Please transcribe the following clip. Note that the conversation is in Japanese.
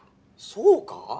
そうか？